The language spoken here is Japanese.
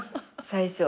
最初？